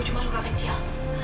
cuma luka kecil